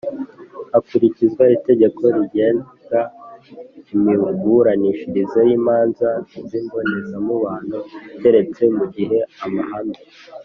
hakurikizwa itegeko rigenga imiburanishirize y imanza z imbonezamubano keretse mu gihe amahame